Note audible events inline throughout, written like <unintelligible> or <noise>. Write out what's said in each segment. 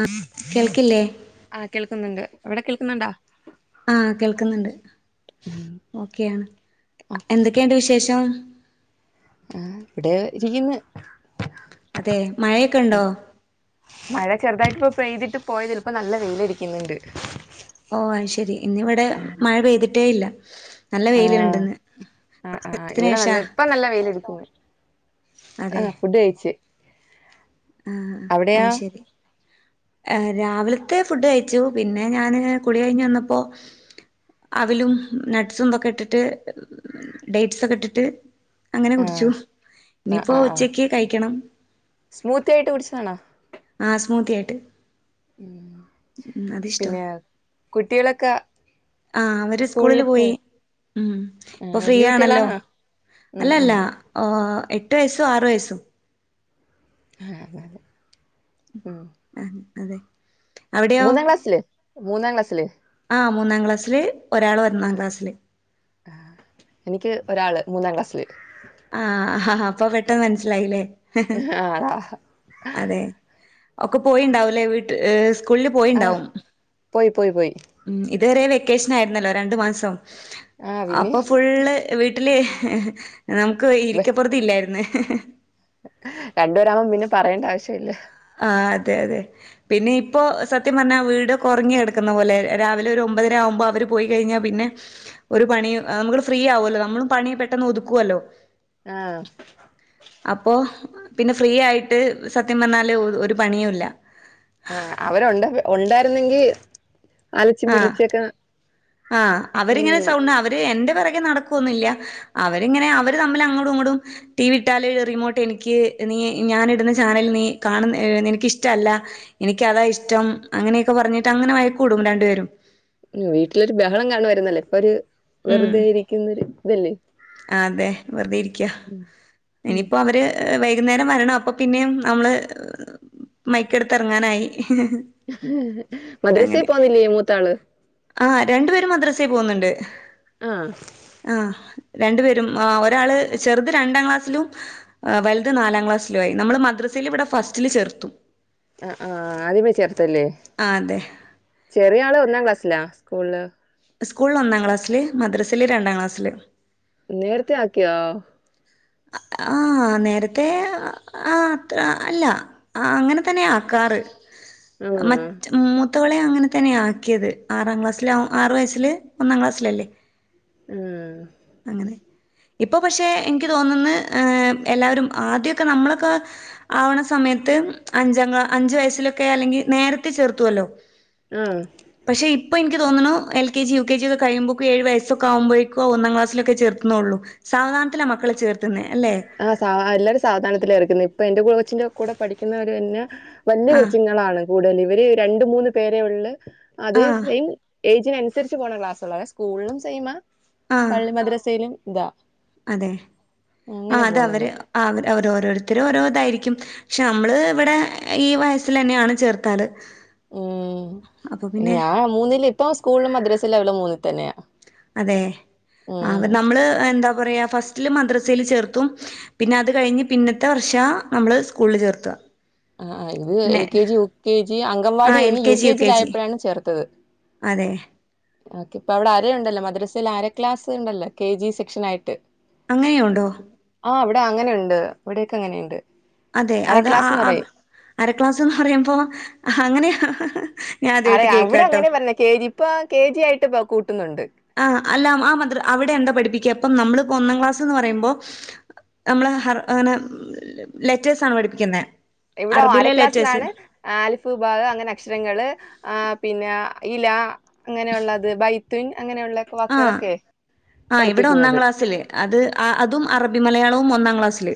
ആ ഹലോ കേൾക്കില്ലേ ആഹ് കേൾക്കുന്നുണ്ട് അവിടെ കേൾക്കുന്നുണ്ടോ ആ കേൾക്കുന്നുണ്ട് ഓക്കെയാണ് എന്തൊക്കെയുണ്ട് വിശേഷം ആ ഇവിടെ ഇരിക്കുന്നു അതെ മഴയൊക്കെയൊണ്ടോ മഴ ചെറുതായിട്ട് ഇപ്പോ പെയ്തിട്ട് പോയതെള്ളൂ ഇപ്പോ നല്ല വെയിലടിക്കുന്നുണ്ട് ഓ അത് ശരി ഇന്ന് ഇവിടെ മഴ പെയ്തിട്ടേ ഇല്ല നല്ല ആഹ് വെയിലുണ്ടെന്ന് ആഹ് കുറച്ച് ആഹ് ഇവിടെ നല്ല ദിവസത്തിന്ശേഷമാ ഇപ്പ നല്ല <unintelligible> വെയിലടിക്കുന്ന് ആഹ് ഫുഡ് കഴിച്ച് ആ ആ അവിടെയാ അയ് ശരി രാവിലത്തെ ഫുഡ് കഴിച്ചു പിന്നെ ഞാന് കുളി കഴിഞ്ഞു വന്നപ്പോ അവിലും നട്ട്സുംമൊക്കെ ഇട്ടിട്ട് ഡേറ്റ്സ് ഒക്കെ ഇട്ടിട്ട് അങ്ങനെ കുടിച്ചു ആഹ് ആഹ് ഇനിയിപ്പോ ആഹ് ആഹ് ഉച്ചക്ക് കഴിക്കണം സ്മൂത്തി ആയിട്ട് കുടിച്ചതാണോ ആ സ്മൂത്തിയായിട്ട് ഉം പിന്നെ കുട്ടികളൊക്കെ ആ അവര് സ്കൂളിൽ സ്കൂളില് പോയി പോയോ ഉം ആഹ് ഇപ്പൊ ഫ്രീ വല്യ ആണല്ലോ കുട്ടികളാണോ ഉം ഉം അല്ലല്ല എട്ട് വയസ്സും ആറ് വയസ്സും അതെ അതെ ഉം ആ അതെ മൂന്നാം ക്ലാസില് മൂന്നാം ക്ലാസ്സില് ആ മൂന്നാം ക്ലാസ്സില് ഒരാള് ഒന്നാം ക്ലാസ്സില് എനിക്ക് ഒരാള് മൂന്നാം ക്ലാസില് ആഹ് ആ അപ്പൊ ട്ടം മനസ്സിലായില്ലേ ആഹ് അതെ ഒക്കെ പോയിയുണ്ടാവലേ വീട്ടി യെസ് സ്കൂളില് ആഹ് പോയിണ്ടാവും പോയി പോയി പോയി ഇതുവരെ വെക്കേഷൻ ആയി രുന്നല്ലോ രണ്ടു മാസം ആഹ് പിന്നെ അപ്പൊ ഫുള്ള് വീട്ടില് നമുക്ക് ഇരിക്കപൊറുതി ഇല്ലായിരുന്നേ. <inaudible> രണ്ടു പേരാവുമ്പം പിന്നെ പറയേണ്ട ആവശ്യം ഇല്ല. ആ അതെ അതെ പിന്നെ ഇപ്പൊ സത്യം പറഞ്ഞാ വീട് ഉറങ്ങിെടക്കുന്ന പോലെ രാവിലെ ഒരു ഒമ്പതര ആകുമ്പോ അവര് പോയി കഴിഞ്ഞാൽ പിന്നെ ഒരു പണി നമുക്ക് ഫ്രീ ആവുമല്ലോ നമ്മളും പണി പെട്ടെന്ന് ഒതുക്കുവല്ലോ. ആ അപ്പോ പിന്നെ ഫ്രീ ആയിട്ട് സത്യംപറഞ്ഞാല്ഒരു പണിയും ഇല്ല. ആ അവരുണ്ട ഉണ്ടായിരുന്നെങ്കി അലച്ചും ആ വിളിച്ചൊക്കെ ആ അവരിങ്ങനെ നിന്നേനെ സൗണ്ട് അവര് എന്റെ പുറകെനടക്കുവൊന്നില്ല. അവരിങ്ങനെ അവര് തമ്മിൽ അങ്ങോടും ഇങ്ങോടും ടി വി ഇട്ടാല് റിമോട്ട് എനിക്ക് നീ ഞാനിടുന്ന ചാനൽ നീ കാണ നിനക്ക് ഇഷ്ടമല്ല എനിക്ക അതാ ഇഷ്ടം അങ്ങനൊക്കെ പറഞ്ഞിട്ട് അങ്ങനെ വയക്ക്ക്കൂടും രണ്ടപേ <unintelligible> വീട്ടിലൊരു ബഹളം കാണു വരുന്നല്ലേ ഇപ്പൊ ഒരു വെറുതൊയിരിക്കുന്നൊരു ദില്ലേ ആ അതെ വെറുതെ ഇരിക്ക ഉം ഇനിയിപ്പോ അവര് വൈകുന്നേരം വരണം അപ്പൊ പിന്നേയും നമ്മള് മൈക്കടുത്ത്റങ്ങാനായി. മദ്രസേ അങ്ങനെ പോന്നില്ലേ മൂത്താള് ആ രണ്ടു പേരും മദ്രസേൽ പോകുന്നുണ്ട്. ആഹ് ആ രണ്ടു പേരും ഒരാള് ചെറുത് രണ്ടാം ക്ലാസ്സിലും വലുത് നാലാം ക്ലാസ്സിലു ആയി നമ്മൾ മദ്രസെല് ഇവിടെ ഫസ്റ്റില് ചേർത്തു. ആ ആ ആദ്യമേ ചേർത്തല്ലേ? ആ അതെ ചെറിയ ആള് ഒന്നാം ക്ലാസ് സ്റ്റിലാ സ്കൂളില്? സ്കൂളില് ഒന്നാം ക്ലാസ്സില് മദ്രസേല് രണ്ടാം ക്ലാസ്സില്. നേരത്തെ ആക്കിയോ? ആ നേരത്തെ ആ അത്ര അല്ല ആ അങ്ങനെ തന്നെ ആക്കാറ്. ആഹ് മറ്റ് മു മുത്തവളെ അങ്ങനെ തന്നെയ ആക്കിയത് ആറാം ക്ലാസിൽആറു വയസ്സില് ഒന്നാം ക്ലാസ്സിലല്ലേ ഉം അങ്ങനെ ഇപ്പൊ പക്ഷെ എനിക്ക് തോന്നന്ന് എല്ലാവരും ആദ്യൊക്കെ നമ്മളൊക്കെ ആവണ സമയത്ത് അഞ്ചാം ക്‌ളാ അഞ്ചു വയസ്സിലൊക്കെ അല്ലെങ്കിൽ നേരത്തെ ചേർത്തുവല്ലോ? ഉം ഇപ്പോ എനിക്ക് തോന്നണ് L K G, U K G, ഒക്കെ കഴിയുമ്പഴേക്ക് ഏഴ് വയസൊക്ക ആവുമ്പേഴ്ക്കു ഒന്നാം ക്ലാസ് സ്സിലൊക്കെ ചേർക്കുന്നെള്ളു. സാവധാനത്തിലാമക്കളെ ചേർത്തുന്നേ. ആ സാ എല്ലാരും സാവധാനത്തിലാ ചേർക്കുന്നേ ഇപ്പൊ എന്റെ കൂടെ ഛൻ്റെ കൂടെ പഠിക്കുന്നവര് പിന്നെ വലിയ ആഹ് കൊച്ചുങ്ങളാണ്. കൂടുതൽ ഇവര് രണ്ട് മൂന്ന് പേരെ ഉള്ളു. അതെ ആഹ് സെയിം ഏജിനനുസരിച്ച് പോണ ക്ലാസുകളാ സ്കൂളിനും സെയി മാ ആഹ് പള്ളി മദ്രസയിലും <unintelligible> അതെ ആ അങ്ങനെ അത പോകുന്നത് അവര് അവ ഓരോരോരുത്തരും ഓരോ ഇതായിരിക്കും പക്ഷെ നമ്മള് ഇവിടെ ഈ വയസ്സിൽ തന്നെയാണ് ചേർക്കാറ് ഉം ഞാൻ മൂന്നില ഇപ്പോ സ്‌ സ്കൂളിലും മദ്രസേലും അവള് മൂന്നിൽ തന്നെയാണ് അതെ ആ അപ്പ നമ്മള് എന്താ പറയാ ഫസ്റ്റില് മദ്രസേൽ ചേർത്തു പിന്നെ അത് കഴിഞ്ഞ് പിന്നത്തെ വർഷ നമ്മള് സ്കൂളിൽ ചേർത്തുക ആ ഇത് L K G U K G anganwadi ആഹ് എൽ കഴിഞ്ഞ് യു ജി കെ ജി ജിയിലയപ്പോഴാണ് ചേർത്തത് അതെ ഓക്കെ ഇപ്പ അവിടെ ആരയുണ്ടല്ലോ മദ്ര ഇതില് അര ക്ലാസ് ഉണ്ടല്ലോ കെ ജി സെക്ഷൻ ആയിട്ട് അങ്ങനെയുണ്ടോ ആ ഇവിടെ അങ്ങെ ഉണ്ട് ഇവിയൊക്കെ അങ്ങനെയുണ്ട് അതെ അര അത് ആ ക്ലാസ്ന്ന് ആ പറയും അരക്ലാസ് എന്ന് പറയുമ്പോ <inaudible> എങ്ങനെയാഹ് ഹ് ഹ് അതെ അവിടെ അങ്ങനെ പറഞ്ഞ കെ ജി ഇപ്പ കെ ജി ആയിട്ട് പോ കൂട്ട ആ അല്ല ആ മദ്ര അവിടെ എന്താ പഠിപ്പിക്കുക അപ്പം നമ്മളിപ്പോ ഒന്നാം ക്ലാസ് എന്ന് പറയുമ്പോ നമ്മള് ഹ അങ്ങനെ ലെറ്റേഴ്സണ് പഠിപ്പിക്കുന്നത് ഇവിടെ അര ക്ലാസ്സിലാണ് ആലിഫുബാഗ് അങ്ങനെ അക്ഷരങ്ങൾ ആ പിന്നെ ഇല അങ്ങനെയുള്ളത് ബൈത്തുൻ അങ്ങനെയുള്ള ആ വാക്കുകളൊക്കെ ആ് ഇവിടെ ഒന്നാം പഠിപ്പിക്കുന്നത് ക്ലാസ്സല്ലേ അത് അതും അറബി മലയാളവും ഒന്നാം ക്ലാസ്സില്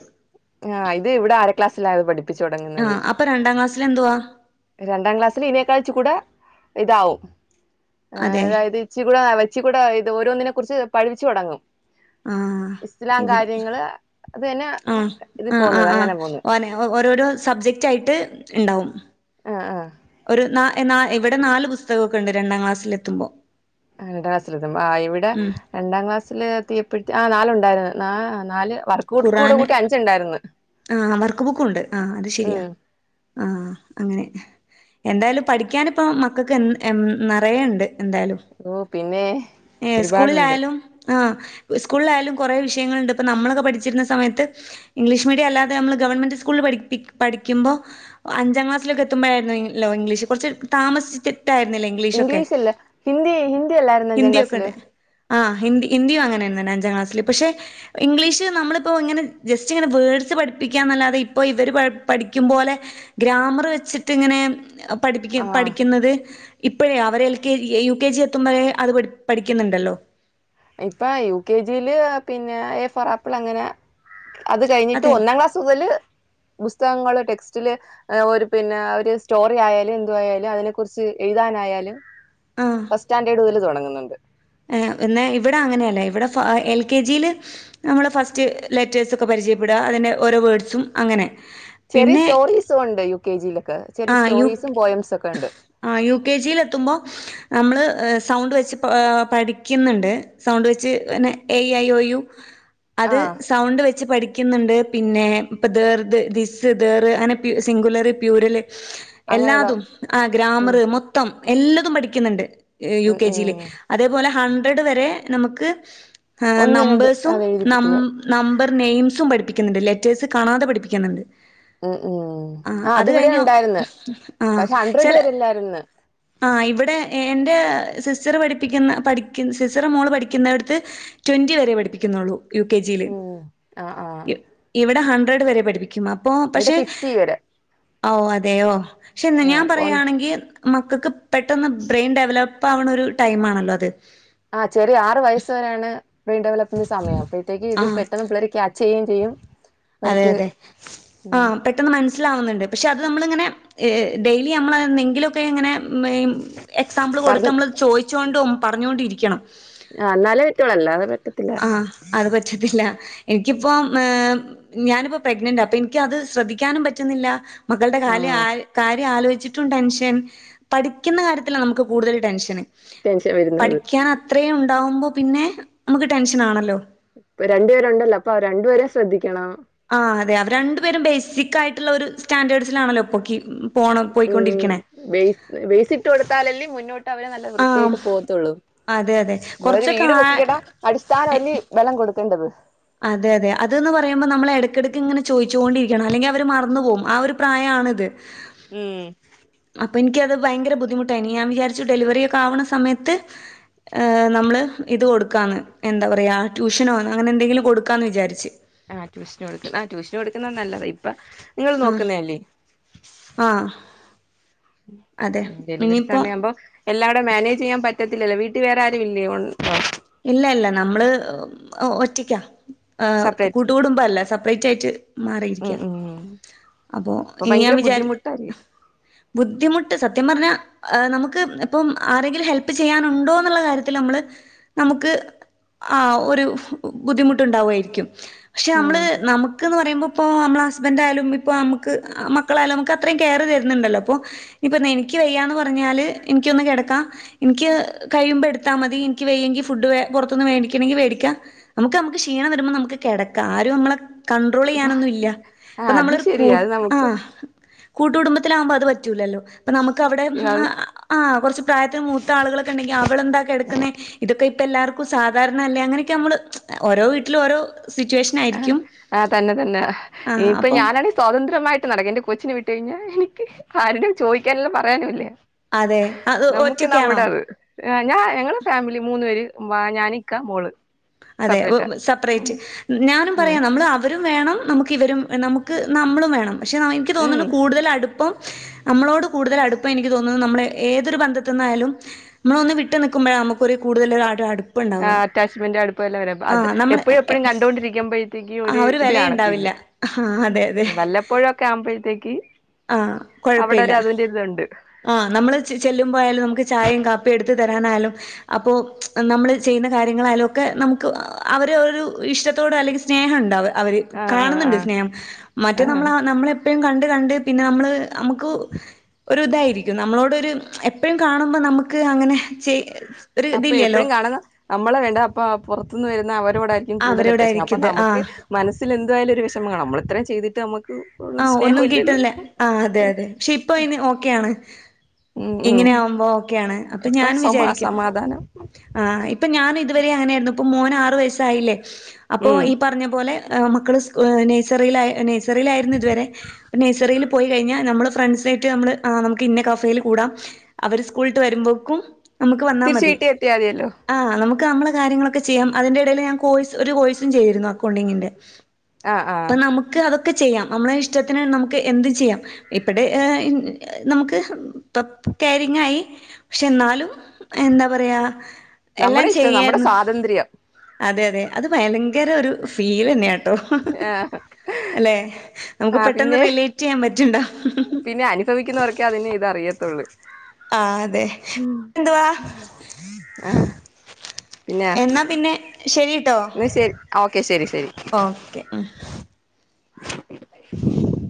ക്ലാസ്സിലാത് പഠി ആഹ അപ്പൊ രണ്ടാം ക്ലാസ്സൽ എന്തുവാ രണ്ടാം ക്ലാസ്സില് ഇതിനേക്കാഴ്ച കൂടെ ഇതാവും ആ അതെ അതായത് ഇച്ച കൂടെ വെച്ചി കൂടെ ഇത് ഓരോന്നിനും കുറിച്ച് പഠിപ്പിച്ച് തുടങ്ങും ആ ഇസ്ലാം ഇവിടെ കാര്യങ്ങള് അത് തന്നെ ആ ഇത് ആ പോന്നത് ആ അങ്ങനെ പോന്ന് ആ ന ഓരോരോ സബ്ജക്റ്റ് ആയിട്ട് ഉണ്ടാവും ആ ആ ഒരു നാ എന്നാ ഇവിടെ നാല് പുസ്തകമൊക്കെ ഉണ്ട് രണ്ടാം ക്ലാസ്സിൽ എത്തുമ്പോൾ രണ്ടാം ക്ലാസ്സില എും ആ് ഇവിടെ രണ്ടാം ക്ലാസ്സില് എത്തിയപ്പോ ആ നാലുണ്ടായിരുന്നു ആ നാല് വർക്ക് കൂടെ ഖുറആാന് കൂട്ടി അഞ്ചുണ്ടായിരുന്നു ആഹ വർക്ക് ബുക്കും ഉണ്ട് ആ അത് ശരിയാ ഉം ആ അങ്ങനെ എന്തായാലും പഠിക്കാനിപ്പ മക്കക്ക് എൻ എൻ നറയെ ഇണ്ട് എന്തായാലും ഓ പിന്നെ ഏ ഒരുപാടുണ്ട് സ്കൂളിലായാലും ആ സ്കൂളിലായാലും കൊറെ വിഷയങ്ങളുണ്ട് ഇപ്പ നമ്മളൊക്കെ പഠി ചിരുന്ന സമയത്ത് ഇംഗ്ലീഷമീഡിയല്ലാതെ അമ്മള് ഗവൺമെന്റ് സ്കൂളില് പഠിപ്പി പഠിക്കുമ്പോ അഞ്ചാം ക്ലാസിലൊക്ക എത്തുമ്പഴായിരുന്നു ഇം ലോ ഇംഗ്ലീഷ് കൊറച്ച് താമസിച്ച് ഇംഗ്ലീഷ് ഇല്ല ഹിന്ദി ഹിന്ദി എല്ലാരന്ന് ഞ്ചാം ക്ലാസില് ആ ഹിന്ദി ഹിന്ദിയും അങ്ങനാന്നെ അഞ്ചാം ക്ലാസ്സില് പക്ഷെ ഇംഗ്ലീഷ് നമ്മള് പ്പോ ഇങ്ങനെ ജസ്റ്റ് ഇങ്ങനെ വേഡ്സ് പഠിപ്പിക്കാന്നല്ലാതെ ഇപ്പോ ഇവര് പ പഠിക്കും പോലെ ഗ്രാമറ് വെച്ചിട്ട് ഇങ്ങനെ പഠിപ്പിക്ക ആ പഠിക്കുന്നത് ഇപ്പഴേ അവരെ യു കെ ജി എത്തുമ്പഴേ അത് പഠി പഠിക്ക്ന്നണ്ടല്ലോ ഇപ്പൊ യു കെ ജിയില് പിന്നെ എ ഫൊറാപ്പിൾ അങ്ങനെ അത് കഴിഞ്ഞിട്ട് അതെ ഒന്നാം ക്ലാസുതല് പുസ്തകങ്ങള് ടെക്സ് സ്റ്റില് ഒരു പിന്നെ ഒരു സ്റ്റോറിയാലും എന്തായാലും അതിനെ കുറിച്ച് എഴുതാനായാലും ഫസ്റ്റാൻഡേർഡുതല് തൊടങ്ങും ന്ന്ണ്ട് ഏ എന്നാ ഇവിടങ്ങനെയല്ല ഇവിടെ ഫ എ എൽ കെ ജീല് നമ്മള് ഫസ്റ്റ് ലെറ്റേഴ്സ് ഒക്കെ പരിചയപ്പെടുക അതിന്റെ ഓരോ വേഡ്സും അങ്ങനെ ചെറിയ സ്റ്റോറീസൊണ്ട് യു കെ ജിയില് ആ യു കെ യു കെ ജിലെത്തുമ്പോ അമ്മള് സൗണ്ട് വെച്ച് പ പഠിക്ക്ന്ന്ണ്ട് സൗണ്ട് വെച്ച് തന്നെ A E I O U ആ അത് സൗണ്ട് വെച്ച് പഠി ക്കിന്ന്ണ്ട് പിന്നെ ഇപ്പ ദേർദ് ദിസ്സ് ദേറ് അങ്ങനെ പ്യൂ സിംഗുലറ് പ്യൂറല് അങ്ങനെയുള്ള എല്ലാതും ആ ഉം ഗ്രാമറ് മൊത്തം എല്ലതും പഠിക്ക്ന്നുണ്ട് യു ഉം കെ ജിയില് ഉം അതേപോലെ ഹൺ ട്രഡ് വരെ നമക്ക് ഹ ഒന്ന് രണ്ട് നമ്പേഴ്സും അത് നം എഴുതിപ്പിക്കുന്നു നമ്പർ നെയിംസും പഠിപ്പി ക്ക്ന്നുണ്ട് ലെറ്റേഴ്സ് കാണാതെ പഠിപ്പിക്കുന്നുണ്ട് ഉം ഉം ആ അതിവിടേം ഒണ്ടായി ആ ചെല ആ ഇവിടെ എ എൻ്റെ സിസ്റ്ററ് പഠിപ്പിക്കുന്ന പഠിക്ക് സിസ്റ്ററ് മോള് പഠിക്കുന്നേടത്ത് ട്വൻ്റി വരെ പഠിപ്പിക്കുന്നൊള്ളൂ യു കെ ജിയില് ഉം ആ ആ ഇവ് ഇവിടെ ഹൺ ഡ്രഡ് വരെ പഠപ്പിക്കുമാ ഇവിടെ ഫിഫ്റ്റി വരെ അ ഓ അ തേയോ പക്ഷെ ന്ന് ആ ഞാൻ ഒന്ന് പറയാണെങ്കി മക്കക്ക് പെട്ടെന്ന് ബ്രെയിൻ ഡെവലപ്പ് ആവണ ഒരു ടൈം ആണല്ലോ അത്. ആ ചെറി ആറ് വയസ്സ് വരാണ് വ ഡെല്മെന് സയം, അപ്പഴത്തേക്ക് ഇത് ആഹ് പെട്ടന്ന് പിള്ളേര്.... അതെ അതെ. ഉം ആഹ് പെട്ടെന്ന് മനസ്സിലാവുന്നുണ്ട്. പക്ഷെ അ അത് നമ്മളിങ്ങനെ ഏഹ് ഡെയിലി നമ്മളന്തെങ്കിലുമൊക്കെ ഇങ്ങനെ ഇമ്മേയ് മ് എക്സാമ്പിൾ കൊടുത്ത് പറഞ്ഞ് നമ്മൾ ചോയ് ച്ചോണ്ടും പറഞ്ഞോണ്ടും ഇരിക്കണം. ആഹ് എന്നാലേ പറ്റൊള്ളു അല്ലാതെ പറ്റത്തില്ല. റ്റത്തില്ല എനിക്ക് ഇപ്പം ഏഹ് ഞാനിപ്പോ പ്രഗ്നന്റാ അപ്പൊ എനിക്കത് ശ്രദ്ധിക്കാനും പറ്റുന്നില്ല. മകളുടെ ആ കാല് ആഹ് കാ <unintelligible> ആലോചിച്ചിട്ടും ടെൻഷൻ പഠിക്കുന്ന കാര്യത്തിലാ നമുക്ക് കൂടുതൽ ടെൻഷന്. ടെൻഷൻ വരുന്നത് പഠിക്കാൻ അത്രയും ണ്ടാവുമ്പോ പിന്നെ, നമുക്ക് ടെൻഷൻ ആണല്ലോ ഇപ്പ രണ്ടുപേരുണ്ടല്ലോ അപ്പൊ രണ്ടുപേരെം ശ്രദ്ധിക്കണം. ആഹ് അതെ. അവരണ്ടു പേരും ബേസിക് ആയിട്ടുള്ള ഒരു സ്റ്റാൻഡേർഡ്സിലാണല്ലോ ഇപ്പൊ ക്കി ഉം, വേ വേയ്സിട്ട് കൊടുത്താലല്ലെ മുന്നോ ട്ടവരെ നല്ല ആഹ് വൃത്തിയായിട്ട് പോവത്തൊള്ളൂ. അതെ അതെ നമ്മളൊരു കൊറച്ചൊക്കെ വീട് ആ പൊക്കിക്കട്ടാ അടിസ്ഥാനവല്ലേ വലം കൊടുക് ക്കേണ്ടത്. അതെയതെ. അത് ന്ന് പറയുമ്പോ നമ്മള എടക്കിടക്ക് ഇങ്ങനെ ചോദിച്ചുകണ്ടരിക്കണം, അല്ലെങ്കി അവർ മറന്ന് പോകും. ആ ഒരു പ്രായ ആണിത്. ഉം. പ്പൻക്കത് ഭയങ്കര ബുദ്ധിമുട്ടായിനി. ഞാൻ വിചാരിച്ചു ഡെലിവറിയക്കെ ആവ്ണ സമയത്ത് ഏഹ് നമ്മൾ ഇത് കൊടുക്കാന്ന്. എന്താ പറയ? ട്യൂഷനോന്ന് അങ്ങനെ എന്തെങ്കിലും കൊടുക്കാന്ന് വിചാരിച്ച്. ആഹ്, ട്യൂഷന് കൊടുകുന്നു, ആ ട്യൂഷൻ കൊടുക്കുന്ന നല്ലത്. ഇപ്പൊ.... നിങ്ങൾ ആഹ് നോക്കുന്നല്ലേ? ആഹ് അതെ. ഡെലിവറി ഇനിയിപ്പോ സമയം ആവുമ്പോ, എല്ലാം കൂടെ മാനേജ് ചെയ്യാൻ പറ്റ റ്റത്തില്ലല്ലോ, വീട്ടിൽ വേറെ ആരുും ഇല്ലേ? ഉൻഡ് ഇല്ല ഇല്ല നമ്മള് ഒറ്റക്ക. ആഹ് സെപ്പറേറ്റ് കൂട്ടുകൂടുമ്പോ അല്ല, സെപ്പറേറ്റ് ആയിട്ട് മാറിയിരിക്ക. ഉം ഉം അപ്പോ അപ്പൊ ഞാൻ ഭയങ്കര വിചാരി ബുദ്ധിമുട്ടായിരിക്കും ബുദ്ധിമുട്ട് സത്യം പറഞ്ഞ... ആ നമുക്ക് ഇപ്പം, ആരെങ്കിലും ഹെല്പ്പ് ചെയ്യാനുണ്ടോ എന്നുള്ള കാര്യത്തിൽ നമ്മള്... നമുക്ക് ആ ഒരു ബുദ്ധിമുട്ടുണ്ടാവുമായിരിക്കും പക്ഷെ നമ്മ്ള് ഉം നമ്മുക്ക്ന്ന് പറയ്പോ ഇപ്പോ നമ്മ്ള ഹസ്‌ബെൻ്റായാലും ഇപ്പോ നമുക്ക്, മക്കളായാലും നമുക്ക് അത്രയും കെയർ തരുന്നുണ്ടല്ലോ. അപ്പോ ഇനിയിപ്പോ നിക്ക് വെയ്യാന്ന് പറഞ്ഞാല് ഇനിക്കൊന്നു കെടെക്കാ, എനിക്ക് കഴിയുമ്പോ എടുത്താലമതി, എനിക്ക് വെയ്യെങ്കി ഫുഡ് പൊറത്തുന്ന് വെടിക്കണെങ്കിൽ മേടിക്ക നമക്ക് നമക്ക് ക്ഷീണം വരുമ്പോ നമക്ക് കിടക്കാം ആരും നമ്മളെ കണ്ട്രോൾ ചെയ്യാനൊന്നും ഇല്ല ആ ഇപ്പൊ അത് നമ്മളരു കൂ ശരിയാ അത് ആ നമുക്ക് കൂട്ടുടുംബത്തില ആകുമ്പോ അത് പറ്റൂലല്ലോ അപ്പൊ നമക്ക് അവിടെ അത് ആ കൊറച്ചു പ്രായത്തിന് മൂത്ത ആളുകളൊക്കെ ണ്ടെങ്കിൽ അവളെന്താ കിടക്കുന്നെ ഇപ്പ എല്ലാർക്കും സാധാരണ അല്ലേ അങ്ങനെയൊക്കെ നമ്മള് ഓരോ വീട്ടിൽ ഓരോ ആ സിറ്റുവേഷനായിരിക്കും. ആഹ് തന്നെ തന്നെ ആഹ് ഇനിയിപ്പൊ അപ്പം ഞാനാണെങ്കി സ്വാതന്ത്രമായി ട്ട് നടക്കാ ന്റെ കൊച്ചിന് വിട്ട് കഴിഞ്ഞാൽ എനിക്ക് ആരുടെ ചോയിക്കാനുല്ല പറയാനുല്ല അതെ അത് ഒറ്റക്കാണോ ഞാൻ ഞങ്ങളെ ഫാമിലി മൂന്ന് പേര് വാ ഞാന് ഇക്ക മോള് അതെ ഉ സെപ്പറേറ്റാ ഉം സപ്പറേറ്റ് ഞാനും ഉം പറയാ നമ്മൾ അവരും വേ വേണം നമുക്ക് ഇവരും നമുക്ക് നമ്മളും വേണം പക്ഷേ എനിക്ക് ഉം തോന്നുന്നു കൂടുതൽ അടുപ്പം നമ്മളോട് കൂടുതൽ അടുപ്പം എനിക്ക് തോന്നുന്നത് നമ്മുടെ ഏതൊരു ബന്ധ തന്ന് അയാലും നമ്മള ഒന്ന് വിട്ട് നിക്കുമ്പഴാ നമുക്ക് ഓര് കൂടുതല് അടു അടു ആ അറ്റാച്മെന്റ്‌ അടുപ്പ എല്ലാവരുംഅത് എപ്പൊഴും എപ്പൊഴും നമ്മള് കണ്ടോണ്ടിരിക്കുമ്പോഴെ <unintelligible> ക്കി ആ ഒരു ഇത് കാണത്തില്ല വെലയുണ്ടാവില്ല ആ അതെ വല്ലപ്പോഴൊക്കെ ആവുമ്പോഴത്തേക്ക് ആഹ അവിടെ കൊഴപ്പല്ല ഒരു അതിന്റെ ഇതുണ്ട് ആ നമ്മള് ചെല്ലുമ്പോയാലും നമുക്ക് ചായയും കാപ്പിയും എടുത്ത് ചെയ്ത്ത് തരാനാലും അപ്പോൾ നമ്മൾ ചെയ്യുന്ന കാര്യങ്ങളായാലും ഒക്കെ നമുക്ക് അവർ ഒരു ഇഷ്ടത്തോട് അല്ലെങ്കിൽ സ്നേഹം ഉണ്ടാവ അവര് ആഹ് ആഹ് കാണുന്നുണ്ട് സ്നേഹം മറ്റേ ആഹ് ആഹ് നമ്മള നമ്മളെ എപ്പഴുംകണ്ട് കണ്ട് പിന്നെ നമ്മള് നമുക്ക് ഒരു ഇതായിരിക്കും നമ്മളോടൊരു എപ്പോഴും കാണുമ്പോൾ നമുക്ക് അങ്ങനെ ചെ ഒരു അപ്പൊ ഇതില്ലല്ലോ എപ്പഴും കാണുന്ന നമ്മളെ വേണ്ട അപ്പൊ അ പുറത്ത് ഇന്ന് വരുന്നഅവൾ നമ്മളോട് ആയിരിക്കുംകൂടുതൽ അറ്റാച്ച് അപ്പൊ അവരോടായിരിക്കും ഇത് ആ നമുക്ക് മസ്സിൽ എ ഏതായാലും വിഷമം കാണും നമ്മൾ ഇത്ര ചെയ്തിട്ട് നമുക്ക് ഒരു ആഹ സ്നേഹം ഒന്നും ഇല്ലല്ലോ കിട്ടില്ലേ ആ അതെ അതെ പക്ഷെ ഇപ്പോഇന് ഓക്കെയ ആണ് ഉം ഉം ഇങ്ങനെയ ആവുമ്പോ ഓക്കെയ ആണ് അപ്പൊ ഇപ്പൊ ഞാൻ സമാ വിചാരിക്കും സമാധാനം ആ ഇപ്പൊ ഞാൻ ഇത് വരെ അങ്ങനെയായിരുന്നു ഇപ്പോ മോന് ആറ് വയസ്സായില്ലേ അപ്പോ ഉം ഈ പറഞ്ഞ പോലെ മക്കൾ സ്‌കൂ നഴ്‌സറിയിൽ ആ നഴ്സറിയിലായിരുന്നു ത്‌ വരെ നഴ്സറിൽ പോയി കഴിഞ്ഞാൽ നമ്മള് ഫ്രണ്ട്സും ആയിട്ട് നമ്മൾ നമുക്ക് ഇന്ന കഫയിൽ കൂടാം അവര് സ്കൂളിട്ട് വരുമ്പോക്കും നമുക്ക് വന്നാ തിരിച്ച് മതി വീട്ടി എത്തിയാ മതിയല്ലോ ആ നമുക്ക് നമ്മള് കാര്യങ്ങളൊക്കെ ചെയ്യാം അതിന്റെ ഇടയിൽ ഞാൻ ഒരു കോഴ്സും ചെയ്തിരുന്നു അക്കൗണ്ടിങ്ങിന്റെ ആഹ് ആഹ് അപ്പൊ നമുക്ക് അതൊക്കെ ഒക്കെ ചെയ്യാം നമ്മളെ ഇഷ്ടത്തിന് നമുക്ക് എന്ത് ചെയ്യാം ഇപ്പടെ നമുക്ക് കരിങ്ങ ആയി പക്ഷെ എന്നാലും എന്നാ പറയാ എല്ലാം നമ്മുടെ ഇഷ്ടം നമ്മുടെ ചെയ്യായിരുന്നു സ്വാതന്ത്ര്യം അതെ അതെ അത് ഭയങ്കര ഒരു ഫീൽ തന്നെയാണ് ട്ടോ ആഹ് അല്ലെ മുക്ക് ആഹ് പെട്ടന്ന് പിന്നെ റിലേറ്റ് ചെയ്യാൻ പറ്റ് പറ്റുണ്ടോ പിന്നെ അനുഭവിക്കുന്നവർക്കെ അതിൻ്റെ ഇത് അറിയത്തുള്ളൂ ആഹ് അതെ. എന്തുവാ ആ പിന്നെ എന്നാ പിന്നെ ശരിട്ടോ ന്നാ ശരി ഓക്കെ ശരി ഓക്കെ ഹും ആ <unintelligible> <inaudible>